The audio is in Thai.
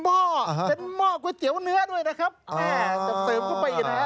หม้อเป็นหม้อก๋วยเตี๋ยวเนื้อด้วยนะครับแม่จะเสริมเข้าไปนะฮะ